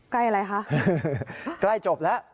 ใกล้อะไรคะใกล้จบแล้ว